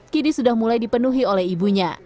kini sudah mulai dipenuhi oleh ibunya